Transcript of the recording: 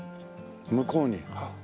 向こうに。